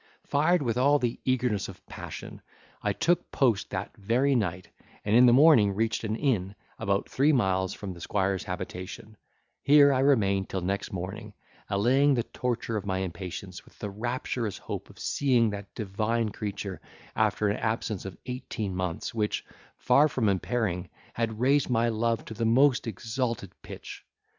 Fired with all the eagerness of passion, I took post that very night, and in the morning reached an inn about three miles from the squire's habitation; here I remained till next morning, allaying the torture of my impatience with the rapturous hope of seeing that divine creature after an absence of eighteen months, which, far from impairing, had raised my love to the most exalted pitch!